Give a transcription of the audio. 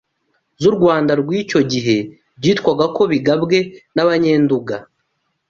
z’u Rwanda rw’icyo gihe byitwaga ko bigabwe n’Abanyenduga